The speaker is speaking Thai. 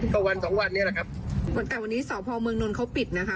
กับวันสองวันเนี้ยแหละครับแต่วันนี้สอบภอมเมืองนลเขาปิดนะค่ะ